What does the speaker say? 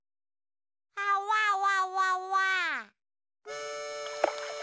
あわわわわ。